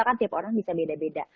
kan tiap orang bisa beda beda